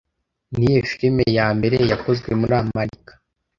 Niyihe firime ya mbere yakozwe muri amarika